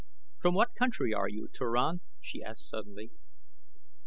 "From what country are you, Turan?" she asked suddenly.